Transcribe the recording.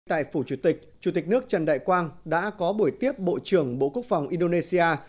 tại phủ chủ tịch chủ tịch nước trần đại quang đã có buổi tiếp bộ trưởng bộ quốc phòng indonesia